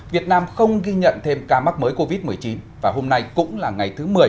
việt nam không ghi nhận thêm ca mắc mới covid một mươi chín và hôm nay cũng là ngày thứ một mươi